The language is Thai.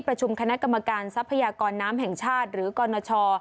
ประชุมคณะกรรมการทรัพยากรน้ำแห่งชาติหรือกรณช